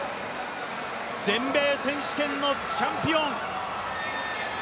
全米選手権のチャンピオン。